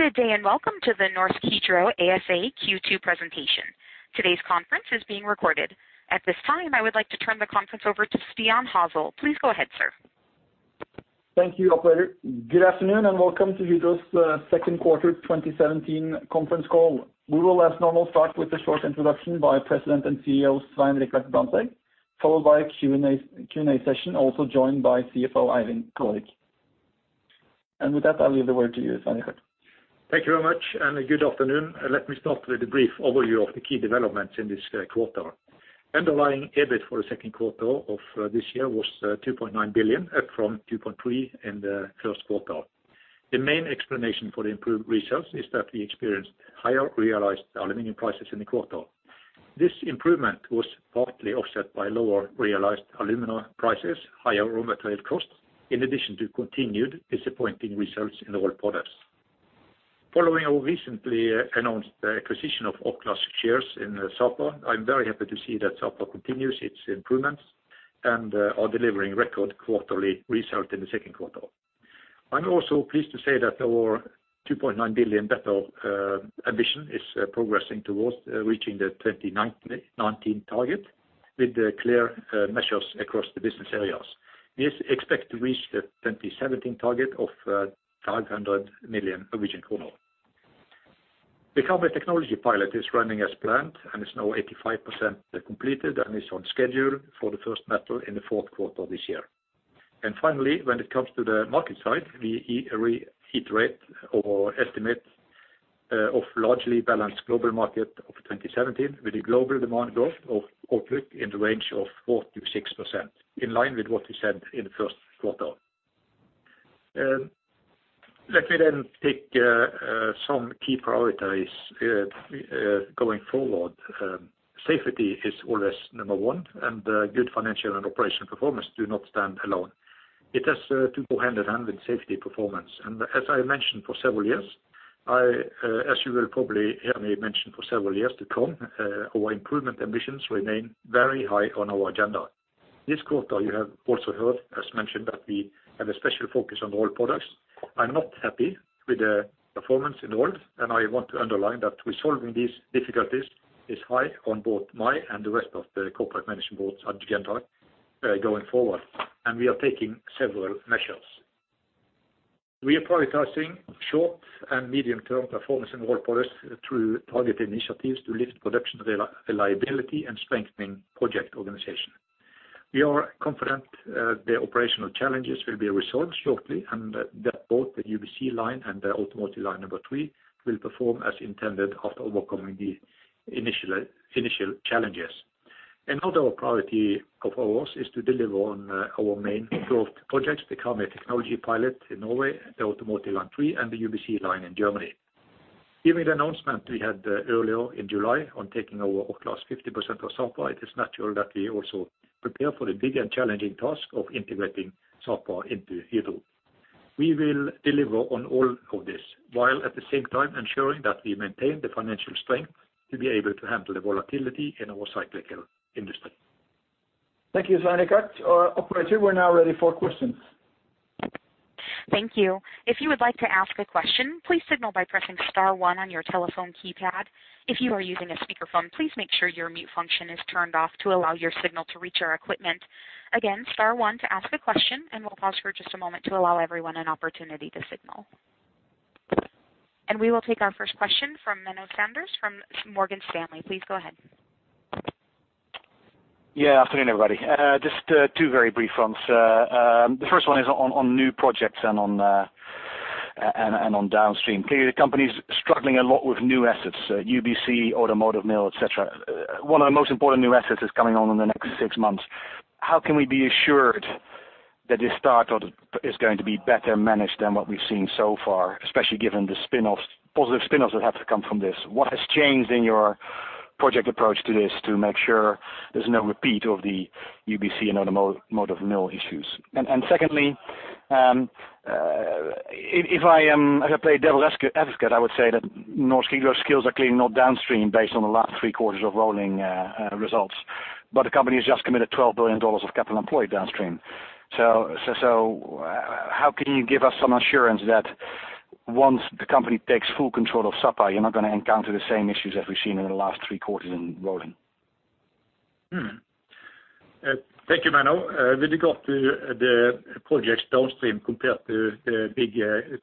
Good day, and welcome to the Norsk Hydro ASA Q2 presentation. Today's conference is being recorded. At this time, I would like to turn the conference over to Stian Hasle. Please go ahead, sir. Thank you, operator. Good afternoon, and welcome to Hydro's second quarter 2017 conference call. We will, as normal, start with a short introduction by President and CEO Svein Richard Brandtzæg, followed by a Q&A session, also joined by CFO Eivind Kallevik. With that, I'll leave the word to you, Svein Richard. Thank you very much, and good afternoon. Let me start with a brief overview of the key developments in this quarter. Underlying EBIT for the second quarter of this year was 2.9 billion, up from 2.3 billion in the first quarter. The main explanation for the improved results is that we experienced higher realized aluminum prices in the quarter. This improvement was partly offset by lower realized alumina prices, higher raw material costs, in addition to continued disappointing results in Rolled Products. Following our recently announced acquisition of Orkla's shares in Sapa, I'm very happy to see that Sapa continues its improvements and are delivering record quarterly result in the second quarter. I'm also pleased to say that our 2.9 billion Better Ambition is progressing towards reaching the 2019 target with the clear measures across the business areas. We expect to reach the 2017 target of 500 million Norwegian kroner. The Karmøy Technology Pilot is running as planned and is now 85% completed and is on schedule for the first metal in the fourth quarter this year. When it comes to the market side, we reiterate our estimate of largely balanced global market of 2017 with a global demand growth of output in the range of 4%-6%, in line with what we said in the first quarter. Let me then pick some key priorities going forward. Safety is always number one, and good financial and operational performance do not stand alone. It has to go hand-in-hand with safety performance. As I mentioned for several years, I, as you will probably hear me mention for several years to come, our improvement ambitions remain very high on our agenda. This quarter, you have also heard, as mentioned, that we have a special focus on Rolled Products. I'm not happy with the performance in Rolled, and I want to underline that resolving these difficulties is high on both my and the rest of the Corporate Management Board's agenda, going forward, and we are taking several measures. We are prioritizing short- and medium-term performance in Rolled Products through targeted initiatives to lift production reliability and strengthening project organization. We are confident, the operational challenges will be resolved shortly and that both the UBC line and the Automotive Line 3 will perform as intended after overcoming the initial challenges. Another priority of ours is to deliver on our main growth projects, the Karmøy Technology Pilot in Norway, the Automotive Line 3, and the UBC line in Germany. Given the announcement we had earlier in July on taking over, of course, 50% of Sapa, it is natural that we also prepare for the big and challenging task of integrating Sapa into Hydro. We will deliver on all of this while at the same time ensuring that we maintain the financial strength to be able to handle the volatility in our cyclical industry. Thank you, Svein Richard. Operator, we're now ready for questions. Thank you. If you would like to ask a question, please signal by pressing star one on your telephone keypad. If you are using a speakerphone, please make sure your mute function is turned off to allow your signal to reach our equipment. Again, star one to ask a question, and we'll pause for just a moment to allow everyone an opportunity to signal. We will take our first question from Menno Sanderse from Morgan Stanley. Please go ahead. Yeah, afternoon, everybody. Just two very brief ones. The first one is on new projects and on downstream. Clearly, the company's struggling a lot with new assets, UBC, automotive mill, et cetera. One of the most important new assets is coming on in the next six months. How can we be assured that this start is going to be better managed than what we've seen so far, especially given the spinoffs, positive spinoffs that have to come from this? What has changed in your project approach to this to make sure there's no repeat of the UBC and automotive mill issues? Secondly, if I play devil's advocate, I would say that Norsk Hydro's skills are clearly not downstream based on the last three quarters of rolling results, but the company has just committed $12 billion of capital employed downstream. How can you give us some assurance that once the company takes full control of Sapa, you're not gonna encounter the same issues as we've seen in the last three quarters in rolling? Thank you, Menno. With regard to the projects downstream compared to the big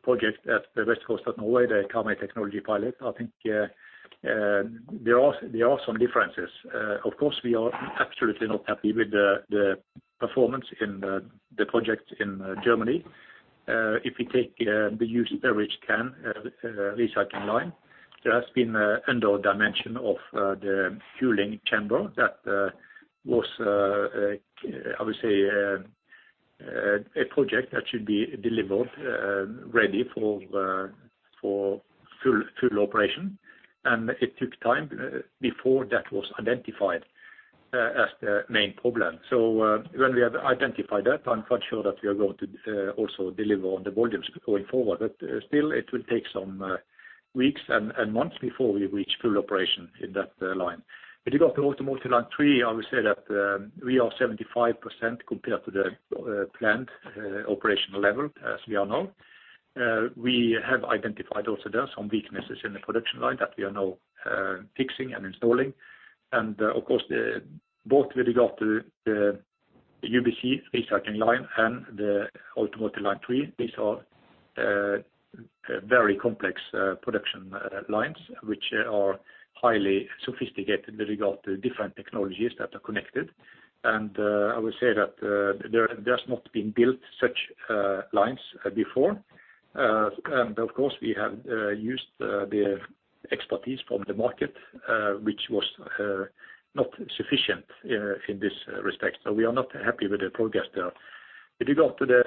project at the west coast of Norway, the Karmøy Technology Pilot, I think there are some differences. Of course, we are absolutely not happy with the performance in the project in Germany. If you take the used beverage can recycling line, there has been an under-dimensioning of the furnace chamber that was, I would say, a project that should be delivered ready for full operation, and it took time before that was identified as the main problem. When we have identified that, I'm quite sure that we are going to also deliver on the volumes going forward. Still, it will take some weeks and months before we reach full operation in that line. With regard to Automotive Line 3, I would say that we are 75% compared to the planned operational level as we are now. We have identified also there some weaknesses in the production line that we are now fixing and installing. Of course, both with regard to the UBC recycling line and the Automotive Line 3, these are very complex production lines which are highly sophisticated with regard to different technologies that are connected. I would say that there has not been built such lines before. Of course, we have used the expertise from the market which was not sufficient in this respect. We are not happy with the progress there. If you go up to the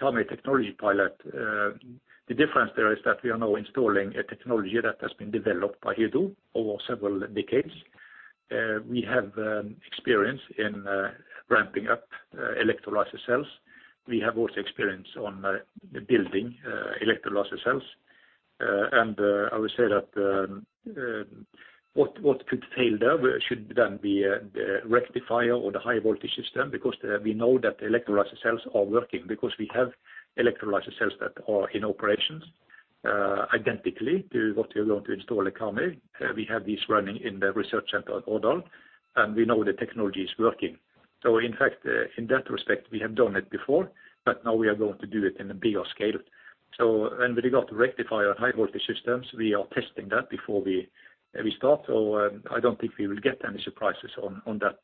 Karmøy Technology Pilot, the difference there is that we are now installing a technology that has been developed by Hydro over several decades. We have experience in ramping up electrolysis cells. We have also experience on building electrolysis cells. I would say that what could fail there should then be a rectifier or the high voltage system because we know that the electrolysis cells are working because we have electrolysis cells that are in operations identically to what we are going to install at Karmøy. We have these running in the research center at Årdal, and we know the technology is working. In fact, in that respect, we have done it before, but now we are going to do it in a bigger scale. When we got to rectify our high voltage systems, we are testing that before we start. I don't think we will get any surprises on that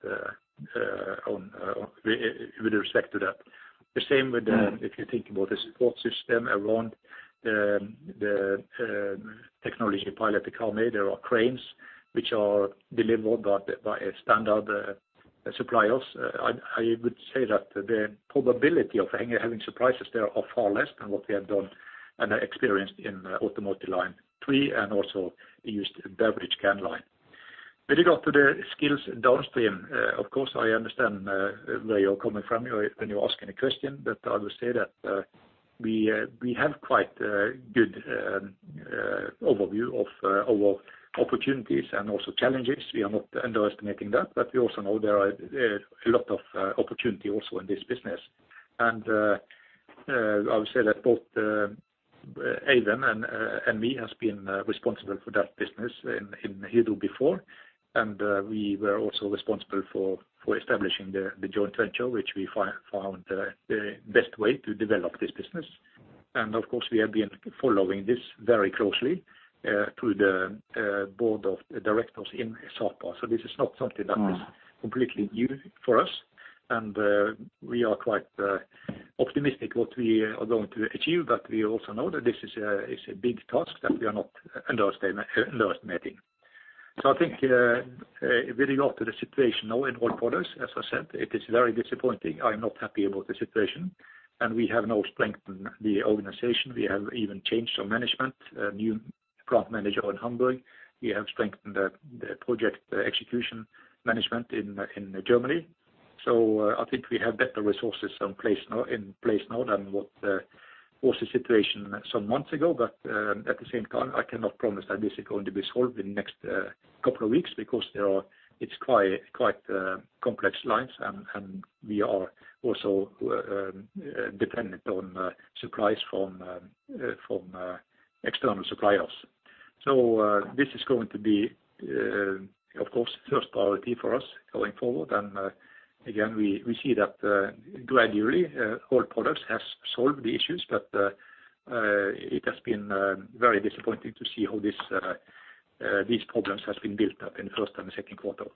with respect to that. The same with if you think about the support system around the technology pilot at Karmøy. There are cranes which are delivered by a standard suppliers. I would say that the probability of having surprises there are far less than what we have done and experienced in Automotive Line 3 and also used beverage can line. With regard to the skills downstream, of course, I understand where you're coming from when you're asking a question. I would say that we have quite good overview of our opportunities and also challenges. We are not underestimating that, but we also know there are a lot of opportunity also in this business. I would say that both Eivind and me has been responsible for that business in Hydro before. We were also responsible for establishing the joint venture, which we found the best way to develop this business. Of course, we have been following this very closely through the board of directors in Sapa. This is not something that is completely new for us. We are quite optimistic what we are going to achieve. We also know that this is a, it's a big task that we are not underestimating. I think, with regard to the situation now in all quarters, as I said, it is very disappointing. I'm not happy about the situation. We have now strengthened the organization. We have even changed some management, a new plant manager in Hamburg. We have strengthened the project execution management in Germany. I think we have better resources in place now than what was the situation some months ago. At the same time, I cannot promise that this is going to be solved in the next couple of weeks because it's quite complex lines and we are also dependent on supplies from external suppliers. This is going to be, of course, first priority for us going forward. Again, we see that gradually all products has solved the issues, but it has been very disappointing to see how these problems has been built up in the first and the second quarter.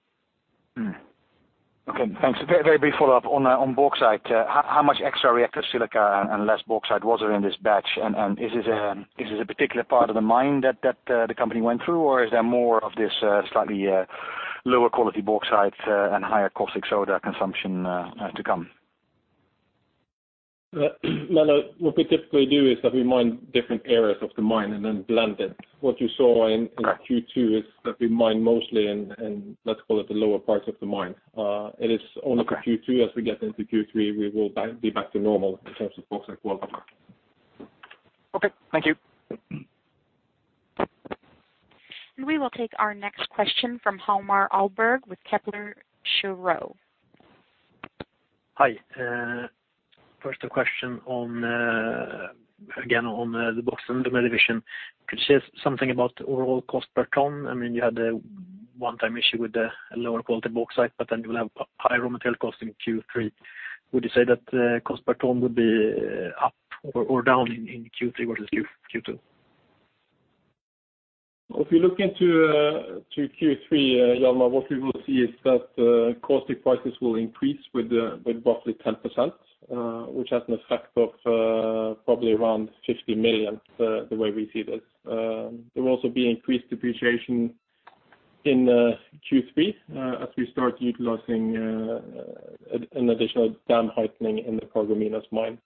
Okay, thanks. A very, very brief follow-up on bauxite. How much extra reactive silica and less bauxite was there in this batch? Is this a particular part of the mine that the company went through? Is there more of this slightly lower quality bauxite and higher caustic soda consumption to come? Menno, what we typically do is that we mine different areas of the mine and then blend it. What you saw in Q2 is that we mine mostly in let's call it the lower parts of the mine. It is only for Q2. As we get into Q3, we will be back to normal in terms of bauxite quality. Okay. Thank you. We will take our next question from Hjalmar Ahlberg with Kepler Cheuvreux. Hi. First a question on, again, on the bauxite and the division. Could you say something about the overall cost per ton? I mean, you had a one-time issue with the lower quality bauxite, but then you will have higher raw material cost in Q3. Would you say that cost per ton would be up or down in Q3 versus Q2? If you look into Q3, Hjalmar, what we will see is that caustic prices will increase with roughly 10%, which has an effect of probably around 50 million, the way we see this. There will also be increased depreciation in Q3 as we start utilizing an additional dam heightening in the Paragominas mine.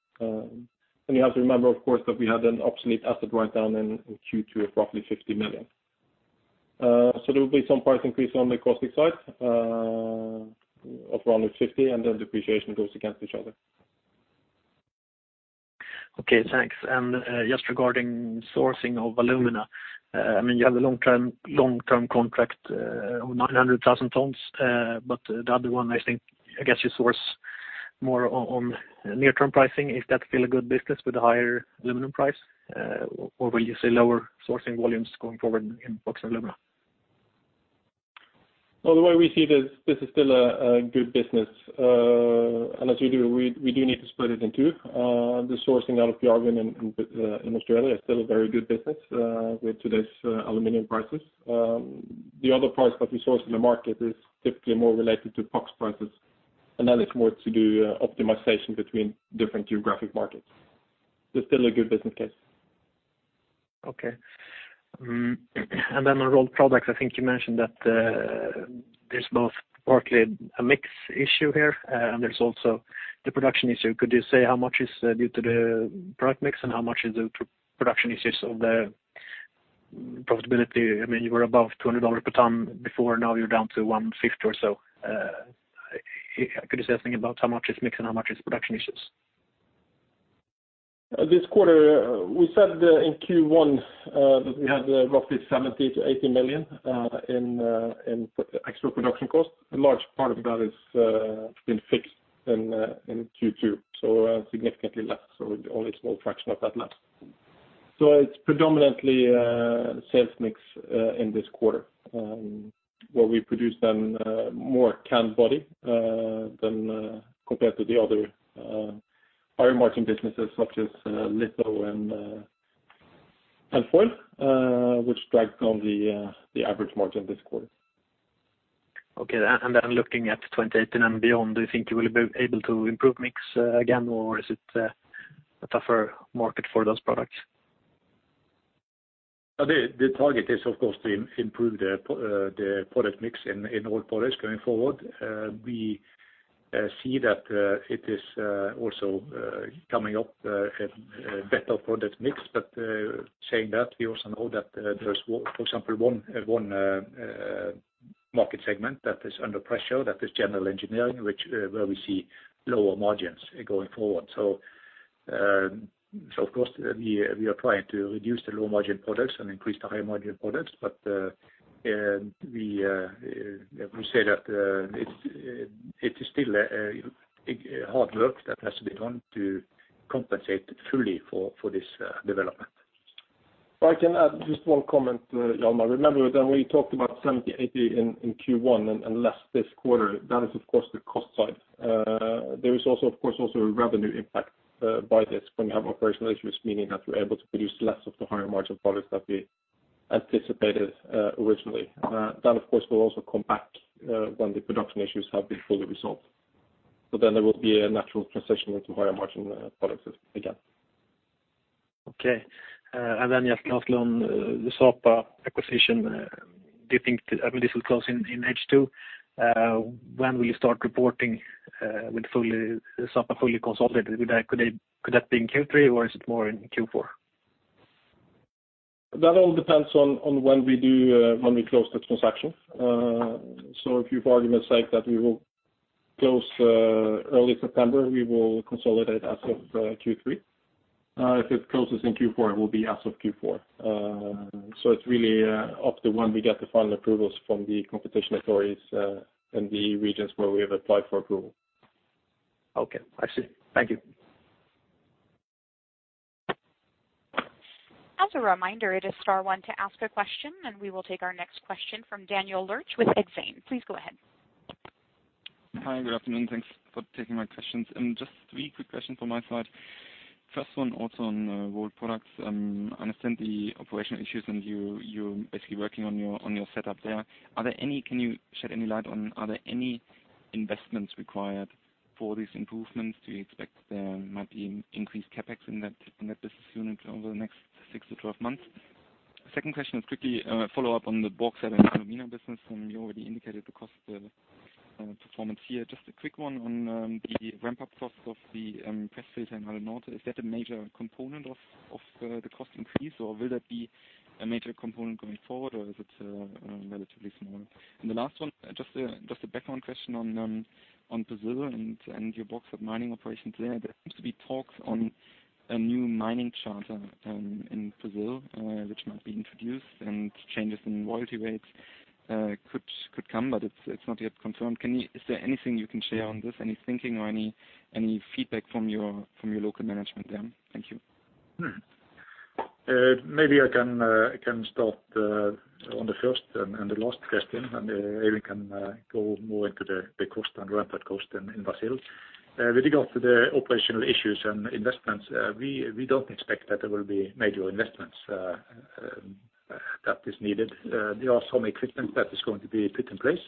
You have to remember, of course, that we had an obsolete asset write down in Q2 of roughly 50 million. So there will be some price increase on the caustic side of around 50, and then depreciation goes against each other. Okay, thanks. Just regarding sourcing of alumina, I mean, you have a long-term contract of 900,000 tons. But the other one, I think, I guess you source more on near-term pricing. Is that still a good business with a higher aluminum price? Or will you say lower sourcing volumes going forward in Bauxite & Alumina? The way we see this is still a good business. As you do, we do need to split it in two. The sourcing out of the Worsley in Australia is still a very good business with today's aluminum prices. The other price that we source in the market is typically more related to spot prices, and that is more to do optimization between different geographic markets. There's still a good business case. Okay. Then on rolled products, I think you mentioned that there's both partly a mix issue here, and there's also the production issue. Could you say how much is due to the product mix and how much is the production issues of the profitability? I mean, you were above $200 per ton before, now you're down to $150 or so. Could you say something about how much is mix and how much is production issues? This quarter, we said in Q1 that we had roughly 70-80 million in extra production costs. A large part of that is been fixed in Q2, so significantly less, so only a small fraction of that left. It's predominantly sales mix in this quarter where we produce then more can body than compared to the other higher margin businesses such as Lithography and Foil which dragged on the average margin this quarter. Okay. Looking at 2018 and beyond, do you think you will be able to improve mix, again, or is it a tougher market for those products? The target is of course to improve the product mix in all products going forward. We see that it is also coming up a better product mix. Saying that, we also know that there's, for example, one market segment that is under pressure, that is general engineering, where we see lower margins going forward. Of course, we are trying to reduce the low margin products and increase the high margin products. We say that it is still a hard work that has to be done to compensate fully for this development. I can add just one comment, Hjalmar. Remember when we talked about 70, 80 in Q1 and less this quarter, that is of course the cost side. There is also of course a revenue impact by this when we have operational issues, meaning that we're able to produce less of the higher margin products that we anticipated originally. That of course will also come back when the production issues have been fully resolved. Then there will be a natural transition into higher margin products again. Okay. Just last one, the Sapa acquisition, do you think? I mean, this will close in H2. When will you start reporting with Sapa fully consolidated? Could that be in Q3, or is it more in Q4? That all depends on when we close the transaction. If for argument's sake that we will close early September, we will consolidate as of Q3. If it closes in Q4, it will be as of Q4. It's really up to when we get the final approvals from the competition authorities in the regions where we have applied for approval. Okay. I see. Thank you. As a reminder, it is star one to ask a question, and we will take our next question from Daniel Lurch with Exane. Please go ahead. Hi, good afternoon. Thanks for taking my questions. Just 3 quick questions on my side. First one, also on Rolled Products. I understand the operational issues, and you're basically working on your setup there. Can you shed any light on any investments required for these improvements? Do you expect there might be increased CapEx in that business unit over the next 6-12 months? Second question is quickly a follow-up on the Bauxite & Alumina business. You already indicated the cost of performance here. Just a quick one on the ramp-up costs of the press filter in Alunorte. Is that a major component of the cost increase, or will that be a major component going forward, or is it relatively small? The last one, just a background question on Brazil and your bauxite mining operations there. There seems to be talks on a new mining code in Brazil, which might be introduced and changes in royalty rates could come, but it's not yet confirmed. Is there anything you can share on this? Any thinking or any feedback from your local management there? Thank you. Maybe I can start on the first and the last question, and Eivind can go more into the cost and ramp-up cost in Brazil. With regard to the operational issues and investments, we don't expect that there will be major investments that is needed. There are some equipment that is going to be put in place,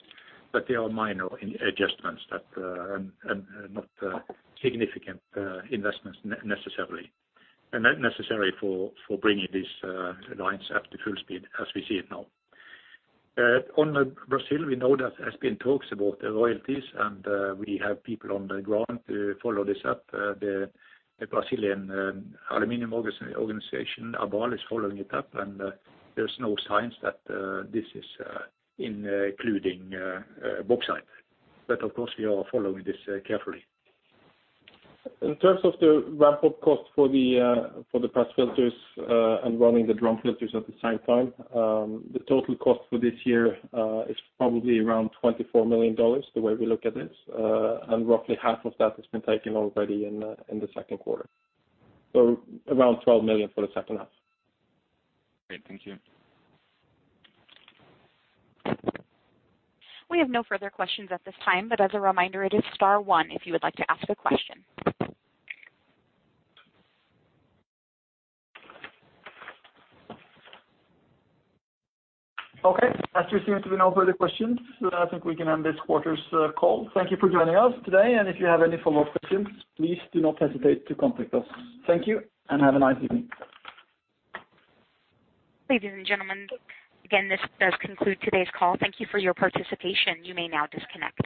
but they are minor investments and adjustments, and not necessarily significant investments and necessary for bringing these lines up to full speed as we see it now. On Brazil, we know that there's been talks about the royalties, and we have people on the ground to follow this up. The Brazilian Aluminum Association, ABAL, is following it up, and there's no signs that this is including bauxite. Of course, we are following this carefully. In terms of the ramp-up cost for the press filters and running the drum filters at the same time, the total cost for this year is probably around $24 million, the way we look at this. Roughly half of that has been taken already in the second quarter. Around $12 million for the second half. Great. Thank you. We have no further questions at this time, but as a reminder, it is star one if you would like to ask a question. Okay. As there seem to be no further questions, I think we can end this quarter's call. Thank you for joining us today, and if you have any follow-up questions, please do not hesitate to contact us. Thank you, and have a nice evening. Ladies and gentlemen, again, this does conclude today's call. Thank you for your participation. You may now disconnect.